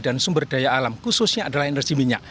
dan sumber daya alam khususnya adalah energi minyak